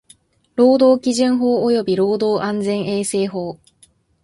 労働基準法及び労働安全衛生法